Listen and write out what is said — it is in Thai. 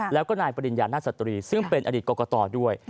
แล้วก็นายปริญญานาสตรีซึ่งเป็นอดีตกรกตด้วย